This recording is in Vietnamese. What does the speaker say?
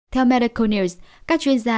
theo medical news các chuyên gia